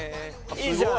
いいじゃん。